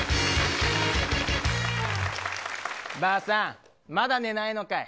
ばあさん、まだ寝ないのかい。